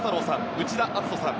内田篤人さん